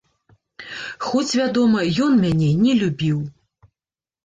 Хоць, вядома, ён мяне не любіў.